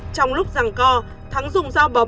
trong lúc giằng co thắng dùng dao bấm